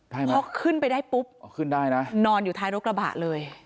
พอขึ้นไปได้ปุ๊บอ๋อขึ้นได้นะนอนอยู่ท้ายรถกระบะเลย